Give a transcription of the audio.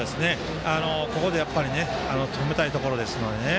ここで止めたいところですので。